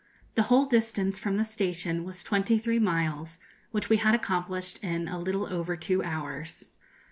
The whole distance from the station was twenty three miles, which we had accomplished in a little over two hours.